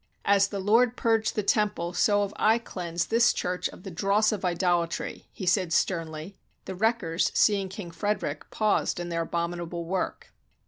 "As the Lord purged the Temple, so have I cleansed this church of the dross of idolatry," he said sternly. The wreckers, seeing King Frederick, paused in their abominable work.